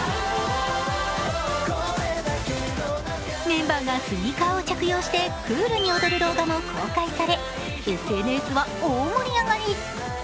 メンバーがスニーカーを着用してクールに踊る動画も公開されＳＮＳは大盛り上がり。